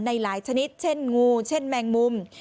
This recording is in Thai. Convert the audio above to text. หลายชนิดเช่นงูเช่นแมงมุม